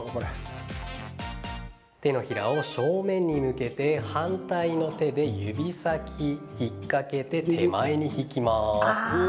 手のひらを正面に向けて反対の手で指先を引っ掛けて手前に引きます。